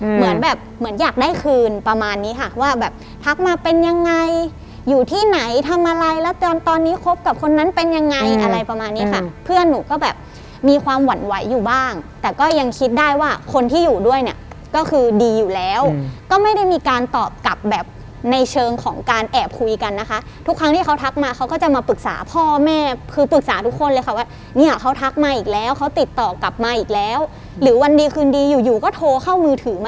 เหมือนแบบเหมือนอยากได้คืนประมาณนี้ค่ะว่าแบบทักมาเป็นยังไงอยู่ที่ไหนทำอะไรแล้วจนตอนนี้ครบกับคนนั้นเป็นยังไงอะไรประมาณนี้ค่ะเพื่อนหนูก็แบบมีความหวั่นไหวอยู่บ้างแต่ก็ยังคิดได้ว่าคนที่อยู่ด้วยเนี่ยก็คือดีอยู่แล้วก็ไม่ได้มีการตอบกับแบบในเชิงของการแอบคุยกันนะคะทุกครั้งที่เขาทักมาเขาก็จะมาปรึกษาพ